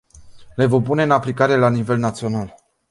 Le vom pune în aplicare la nivel național.